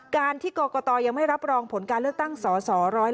การที่กรกตยังไม่รับรองผลการเลือกตั้งสส๑๕